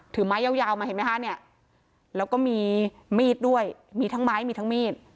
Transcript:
ไม้ยาวมาเห็นไหมคะเนี่ยแล้วก็มีมีดด้วยมีทั้งไม้มีทั้งมีด